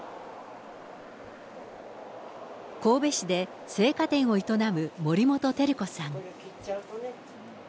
神戸市で生花店を営む森本照子さん。